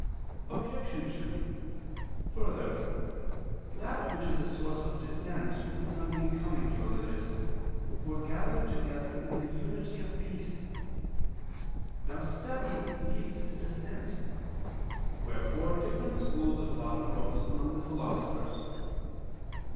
Obj. 2: Further, that which is a source of dissent is unbecoming to religious, who are gathered together in the unity of peace. Now study leads to dissent: wherefore different schools of thought arose among the philosophers.